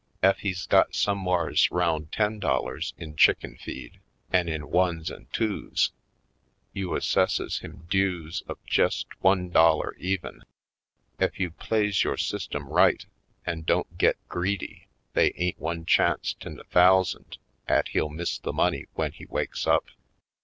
Ef he's got somewhars 'round ten dollars in chicken feed an' in ones an' twos, you asses ses him dues of jest one dollar even. Ef you plays yore system right an' don't git greedy they ain't one chanc't in a thousand 'at he'll miss the money w'en he wakes up.